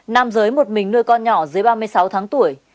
nam giới một mình nuôi con nhỏ dưới ba mươi sáu tháng tuổi